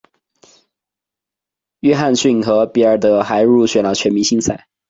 约翰逊和比尔德还入选了全明星赛。